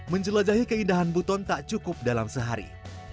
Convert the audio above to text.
menjelajahi keindahan buton tak cukup dalam sehari